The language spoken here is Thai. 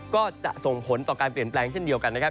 ก็จะส่งผลต่อการเปลี่ยนแปลงเช่นเดียวกันนะครับ